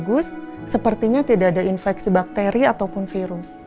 bagus sepertinya tidak ada infeksi bakteri ataupun virus